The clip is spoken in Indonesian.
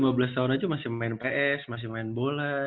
dua belas tahun aja masih main ps masih main bola